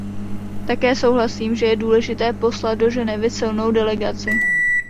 Také souhlasím, že je důležité poslat do Ženevy silnou delegaci.